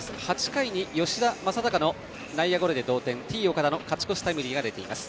８回に吉田正尚の内野ゴロで同点Ｔ−岡田の勝ち越しタイムリーが出ています。